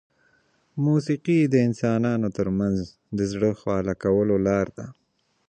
موسیقي د انسانانو ترمنځ د زړه خواله کولو لاره ده.